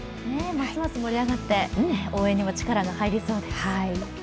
ますます盛り上がって応援にも力が入りそうです。